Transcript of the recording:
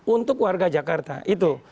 untuk warga jakarta itu